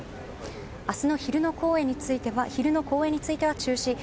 明日の昼の公演については中止。